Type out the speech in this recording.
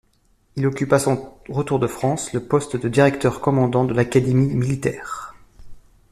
Il occupe, à son retour de France, le poste de directeur-commandant de l’académie militaire.